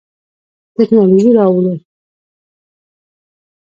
تکنالوژي راوړو.